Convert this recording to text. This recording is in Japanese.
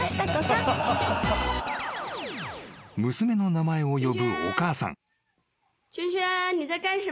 ［娘の名前を呼ぶお母さん］